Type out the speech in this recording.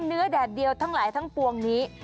แดดเดียวทั้งหลายทั้งปวงนี้